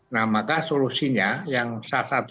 nah maka solusinya yang salah satunya tadi